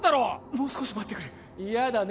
もう少し待ってくれ嫌だね